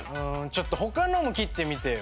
ちょっと他のも切ってみてよ。